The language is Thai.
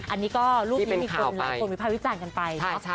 อันนี้ก็รูปนี้มีคนหลายคนวิภาควิจารณ์กันไปเนาะ